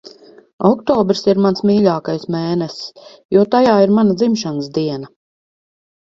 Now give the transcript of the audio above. Oktobris ir mans mīļākais mēnesis, jo tajā ir mana dzimšanas diena.